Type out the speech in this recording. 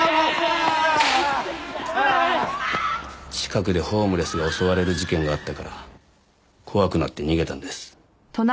近くでホームレスが襲われる事件があったから怖くなって逃げたんです。